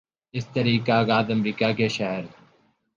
اس تحریک کا آغاز امریکہ کہ شہر